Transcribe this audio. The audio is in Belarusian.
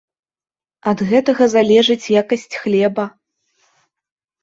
Ад гэтага залежыць якасць хлеба.